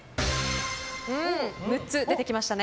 ６つ出てきましたね。